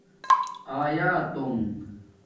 آیاتݸنݣ